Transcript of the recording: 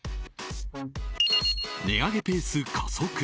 値上げペース加速！